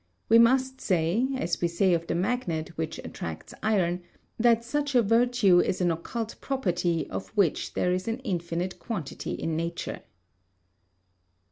We must say, as we say of the magnet which attracts iron, that such a virtue is an occult property of which there is an infinite quantity in nature.